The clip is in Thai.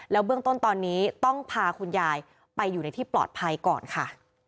เบื้องต้นตอนนี้ต้องพาคุณยายไปอยู่ในที่ปลอดภัยก่อนค่ะ